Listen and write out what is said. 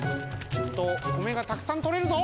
きっとこめがたくさんとれるぞ！